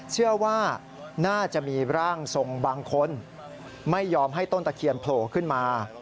เชื่อว่าน่าจะมีร่างทรงบางคนไม่ยอมให้ต้นตะเคียนโผล่ขึ้นมา